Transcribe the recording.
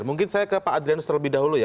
mungkin saya ke pak adrianus terlebih dahulu ya